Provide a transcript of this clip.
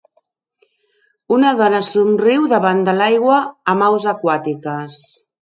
Una dona somriu davant de l'aigua amb aus aquàtiques.